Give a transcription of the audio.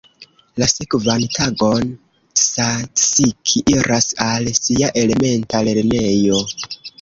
La sekvan tagon Tsatsiki iras al sia elementa lernejo.